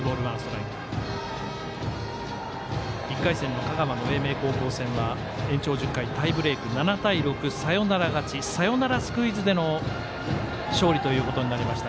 １回戦の香川の英明高校戦は延長１０回、タイブレーク７対６でサヨナラ勝ちサヨナラスクイズでの勝利となりました